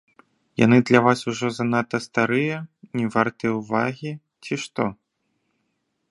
Яны для вас ужо занадта старыя, не вартыя ўвагі, ці што?